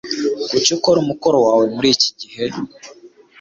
Kuki ukora umukoro wawe muri iki gihe?